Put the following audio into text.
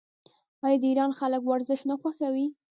آیا د ایران خلک ورزش نه خوښوي؟